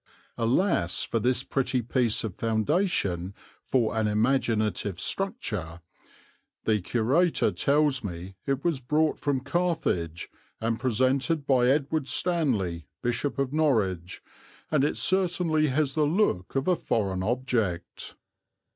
Alas for this pretty piece of foundation for an imaginative structure, "the curator tells me it was brought from Carthage, and presented by Edward Stanley, Bishop of Norwich, and it certainly has the look of a foreign object."